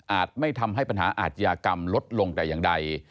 ไม่ทำให้ปัญหาอาชญากรรมลดลงแต่อย่างใด